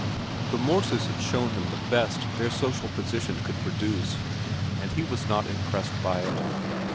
The Morses had shown him the best their social position could produce, and he was not impressed by it.